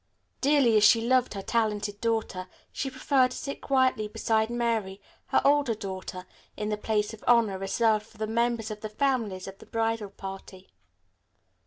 Dearly as she loved her talented daughter, she preferred to sit quietly beside Mary, her older daughter, in the place of honor reserved for the members of the families of the bridal party.